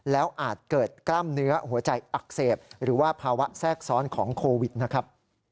แล้วอาจเกิดกล้ามเนื้อหัวใจอักเสบหรือว่าภาวะแทรกซ้อนของโควิดนะครับ